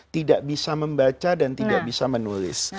tidak bisa membaca dan tidak bisa menulis